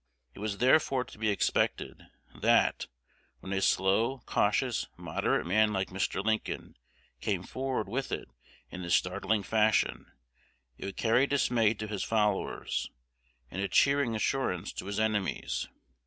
It was therefore to be expected, that, when a slow, cautious, moderate man like Mr. Lincoln came forward with it in this startling fashion, it would carry dismay to his followers, and a cheering assurance to his enemies.